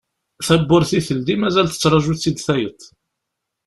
Tawwurt i teldi mazal tettraju-tt-id tayeḍ.